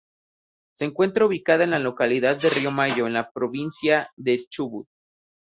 Se encuentra ubicada en la localidad de Río Mayo en la provincia del Chubut.